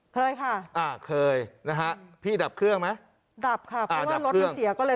เผ็ดค่ะอ่ะเคยนะฮะพี่ดับเครื่องไหมดับค่ะก็เสียก็เลย